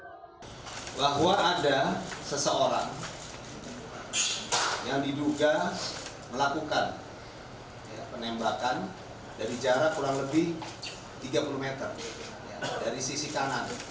bahwa ada seseorang yang diduga melakukan penembakan dari jarak kurang lebih tiga puluh meter dari sisi kanan